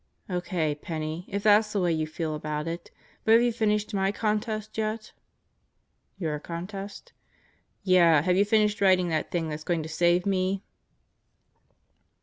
"O.K., Penney, if that's the way you feel about it. But have you finished my contest yet?" "Your contest?" "Yeah. Have you finished writing that thing that's going to save me?"